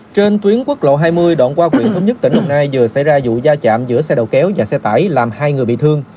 trên tuyến quốc lộ hai mươi đoạn qua huyện thống nhất tỉnh đồng nai vừa xảy ra vụ va chạm giữa xe đầu kéo và xe tải làm hai người bị thương